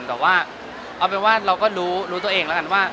แต่ว่าเราก็รู้ตัวเองแล้วกันว่า